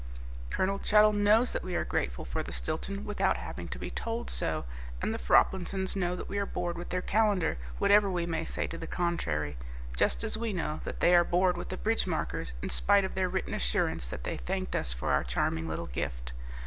Colonel Chuttle knows that we are grateful for the Stilton, without having to be told so, and the Froplinsons know that we are bored with their calendar, whatever we may say to the contrary, just as we know that they are bored with the bridge markers in spite of their written assurance that they thanked us for our charming little gift.